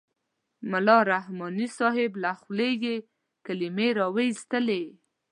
ملا رحماني صاحب له خولې یې کلمې را اېستلې.